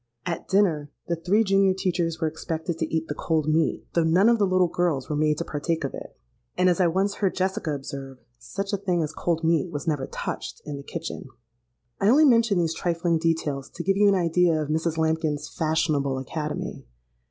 At dinner, the three junior teachers were expected to eat the cold meat; though none of the little girls were made to partake of it, and, as I once heard Jessica observe, 'such a thing as cold meat was never touched in the kitchen.' I only mention these trifling details to give you an idea of Mrs. Lambkin's fashionable academy.